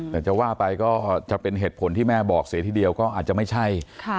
แต่จะว่าไปก็จะเป็นเหตุผลที่แม่บอกเสียทีเดียวก็อาจจะไม่ใช่